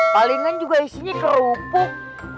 palingan juga isinya kerupuk